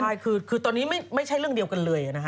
ใช่คือตอนนี้ไม่ใช่เรื่องเดียวกันเลยนะฮะ